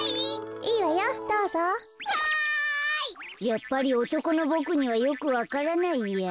やっぱりおとこのボクにはよくわからないや。